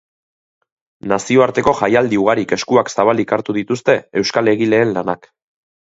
Nazioarteko jaialdi ugarik eskuak zabalik hartu dituzte euskal egileen lanak.